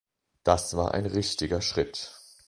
Das war ein richtiger Schritt.